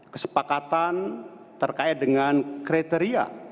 kesepakatan terkait dengan kriteria